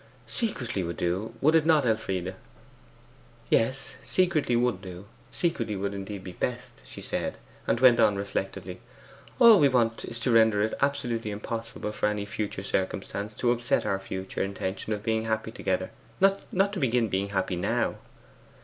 'Secretly would do, would it not, Elfie?' 'Yes, secretly would do; secretly would indeed be best,' she said, and went on reflectively: 'All we want is to render it absolutely impossible for any future circumstance to upset our future intention of being happy together; not to begin being happy now.